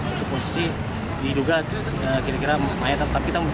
itu posisi diduga kira kira mayat tetap kita